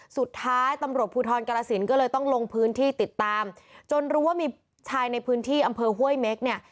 สุดท้ายตำรวจภูทรกรสินก็เลยต้องลงพื้นที่ติดตามจนรู้ว่ามีชายในพื้นที่อำเภอห้วยเม็กเนี่ย